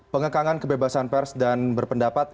pengekangan kebebasan pers dan berpendapat